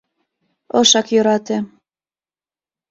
Ышак йӧрате.